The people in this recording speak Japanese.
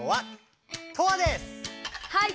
はい。